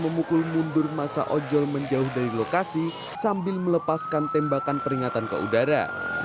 memukul mundur masa ojol menjauh dari lokasi sambil melepaskan tembakan peringatan ke udara